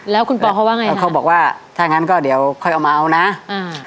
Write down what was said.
แล้วคุณปอเขาว่าไงเขาบอกว่าถ้างั้นก็เดี๋ยวค่อยเอามาเอานะอ่า